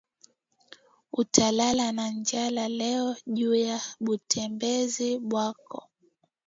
Uta lala na njala leo juya butembezi bwako